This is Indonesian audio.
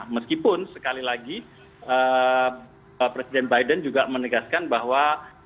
meskipun sekali lagi presiden biden juga menegaskan bahwa